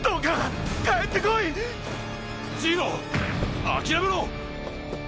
ジイロ諦めろ！